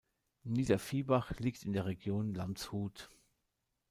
Niederviehbach liegt in der Region Landshut.